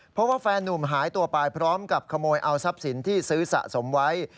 เพราะว่าแฟนนุ่มหายตัวไปพร้อมกับขโมยเอาทรัพย์สินที่ซื้อสะสมไว้